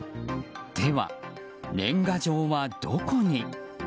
では、年賀状はどこに？